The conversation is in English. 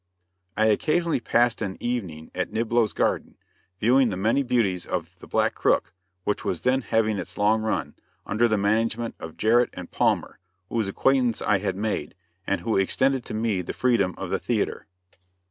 I occasionally passed an evening at Niblo's Garden, viewing the many beauties of "The Black Crook," which was then having its long run, under the management of Jarrett & Palmer, whose acquaintance I had made, and who extended to me the freedom of the theater.